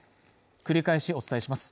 繰り返しお伝えします